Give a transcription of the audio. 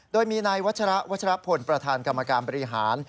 โดยมีนายวัชระวัชรพลประธานกรรมการบริหาร